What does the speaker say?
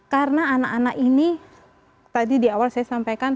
karena anak anak ini tadi di awal saya sampaikan